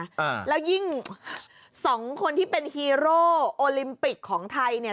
อ่าแล้วยิ่งสองคนที่เป็นฮีโร่โอลิมปิกของไทยเนี่ย